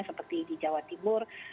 seperti di jawa timur